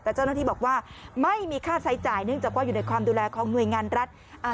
แต่เจ้าหน้าที่บอกว่าไม่มีค่าใช้จ่ายเนื่องจากว่าอยู่ในความดูแลของหน่วยงานรัฐ